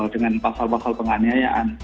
dengan pasal pasal penganiayaan